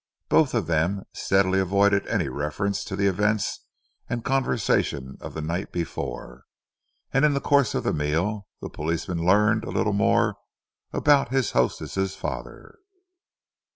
Both of them steadily avoided any reference to the events and conversation of the night before, and in the course of the meal the policeman learned a little more about his hostess' father.